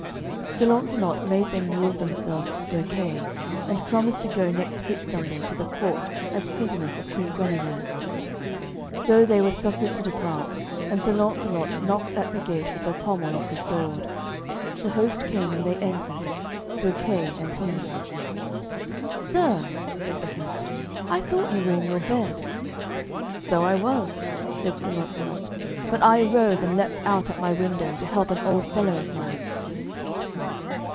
Sir Launcelot made them yield themselves to Sir Kay and promise to go next Whitsunday to the court as prisoners of Queen Guenever. So they were suffered to depart, and Sir Launcelot knocked at the gate with the pommel of his sword. The host came, and they entered, Sir Kay and he. "Sir," said the host, "I thought you were in your bed." "So I was," said Sir Launcelot, "but I arose and leaped out at my window to help an old fellow of mine."